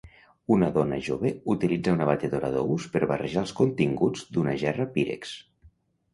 Una dona jove utilitza una batedora d'ous per barrejar els continguts d'una gerra Pyrex